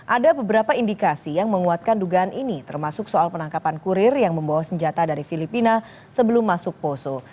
ada beberapa indikasi yang menguatkan dugaan ini termasuk soal penangkapan kurir yang membawa senjata dari filipina sebelum masuk poso